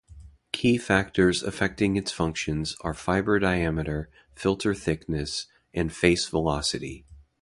Key factors affecting its functions are fibre diameter, filter thickness, and face velocity.